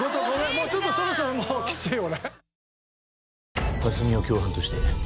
もうちょっとそろそろきつい俺。